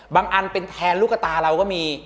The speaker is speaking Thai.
อันเป็นแทนลูกตาเราก็มี